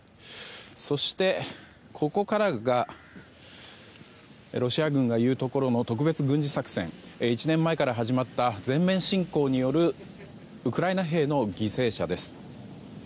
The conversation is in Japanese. そして、ここからがロシア軍がいうところの特別軍事作戦１年前から始まった全面侵攻によるウクライナ兵の犠牲者です。